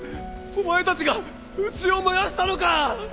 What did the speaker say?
お前たちがうちを燃やしたのか！？